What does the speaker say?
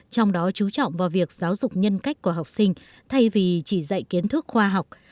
trong đó chú trọng vào việc giáo dục nhân cách của học sinh thay vì chỉ dạy kiến thức khoa học